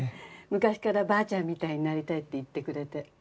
昔からばあちゃんみたいになりたいって言ってくれて。